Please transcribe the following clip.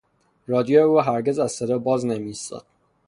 رادیوی او هرگز از صدا باز نمیایستاد.